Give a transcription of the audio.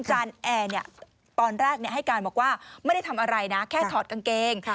แอร์ตอนแรกให้การบอกว่าไม่ได้ทำอะไรนะแค่ถอดกางเกง